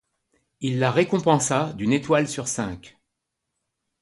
Il la récompensa d'une étoile sur cinq.